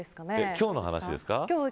今日の話ですか。